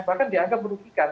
bahkan dianggap merugikan